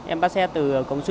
em bắt xe từ công sức